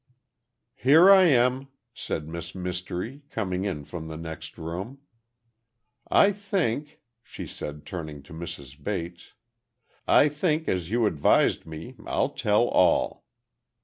"Here I am," said Miss Mystery, coming in from the next room. "I think," she said turning to Mrs. Bates, "I think, as you advised me, I'll tell all."